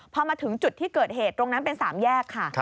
พอมาถึงจุดที่เกิดเหตุตรงนั้นเป็น๓แยกค่ะ